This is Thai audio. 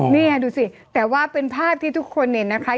นี่ดูสิแต่ว่าเป็นภาพที่ทุกคนเห็นนะคะ